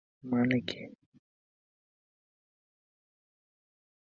বিভিন্ন বিজ্ঞান কল্পকাহিনী গল্প উই ভাই মিলে লিখেছেন।